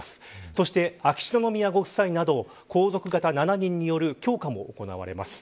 そして、秋篠宮ご夫妻など皇族方７人による供花も行われます。